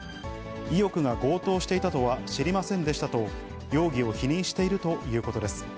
伊能が強盗していたとは知りませんでしたと、容疑を否認しているということです。